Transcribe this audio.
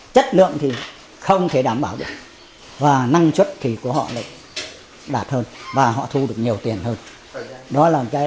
chất lượng thì không thể đảm bảo được và năng suất thì của họ lại đạt hơn và họ thu được nhiều tiền hơn